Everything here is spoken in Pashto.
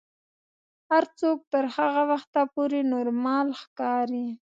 هر څوک تر هغه وخته پورې نورمال ښکاري.